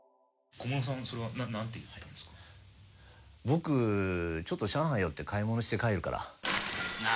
「僕ちょっと上海寄って買い物して帰るから」。